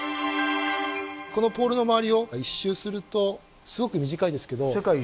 このポールの周りを一周するとすごく短いですけど。